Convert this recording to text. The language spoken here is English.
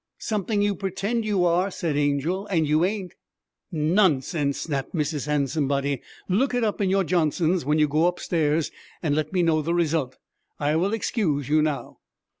'Something you pretend you are,' said Angel, 'and you ain't.' 'Nonsense!' snapped Mrs. Handsomebody. 'Look it up in your Johnson's when you go upstairs, and let me know the result. I will excuse you now.'